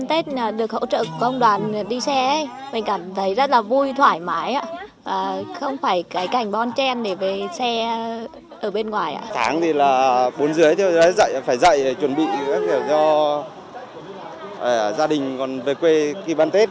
tháng thì là bốn dưới phải dạy chuẩn bị cho gia đình về quê khi bán tết